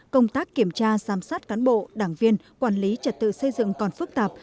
công tác kiểm tra giám sát cán bộ đảng viên quản lý trật tự xây dựng còn phức tạp